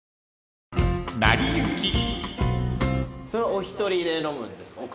お１人で飲むんですか？